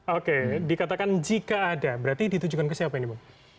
oke dikatakan jika ada berarti ditujukan ke siapa ini bu